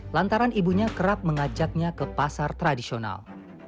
lantaran ibunya kerap mengajaknya ke pasar tradisional